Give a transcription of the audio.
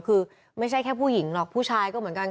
คือไม่ใช่แค่ผู้หญิงหรอกผู้ชายก็เหมือนกัน